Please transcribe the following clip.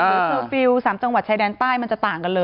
คือเคอร์ฟิลล์๓จังหวัดชายแดนใต้มันจะต่างกันเลย